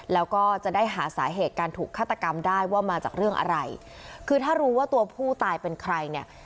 แล้วก็จะได้หาสาเหตุการถูกฆาตกรรมได้ว่ามาจากเรื่องอะไรคือถ้ารู้ว่าตัวผู้ตายเป็นใครเนี่ย